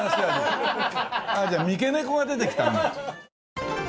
あっじゃあ三毛猫が出てきたんだ。